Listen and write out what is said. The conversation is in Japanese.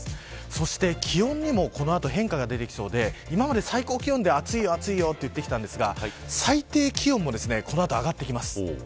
そして、気温にもこの後変化が出てきそうで今まで最高気温で暑い、暑いと言ってきましたが最低気温もこの後、上がってきます。